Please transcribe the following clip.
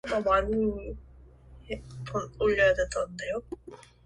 그의 음성을 분간하여 짐작하려나 도무지 들어 보지 못하던 음성이다.